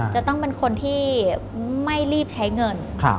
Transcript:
จะต้องเป็นคนที่ไม่รีบใช้เงิน